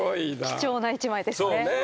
貴重な１枚ですね。